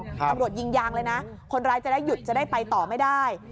ตำรวจยิงยางเลยนะคนร้ายจะได้หยุดจะได้ไปต่อไม่ได้